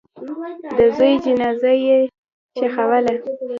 د زوی جنازه یې ښخوله.